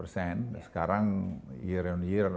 sekarang year on year